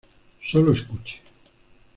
Solo escuche.